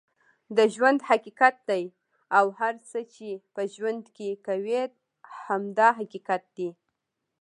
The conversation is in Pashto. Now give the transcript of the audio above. ژوند حقیقت دی اوهر څه چې په ژوند کې کوې هم دا حقیقت دی